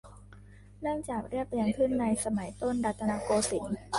เนื่องจากเรียบเรียงขึ้นในสมัยต้นรัตนโกสินทร์